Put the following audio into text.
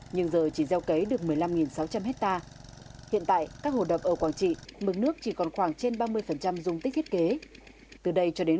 nhưng giờ chỉ gieo cấy được một mươi năm sáu trăm linh hectare